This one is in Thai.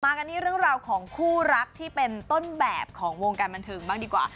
กันที่เรื่องราวของคู่รักที่เป็นต้นแบบของวงการบันเทิงบ้างดีกว่า